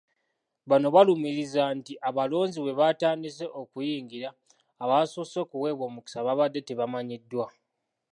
Bano balumiriza nti abalonzi bwe batandise okuyingira abasoose okuweebwa omukisa babadde tebamanyiddwa.